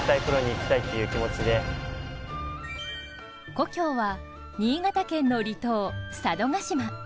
故郷は新潟県の離島・佐渡島。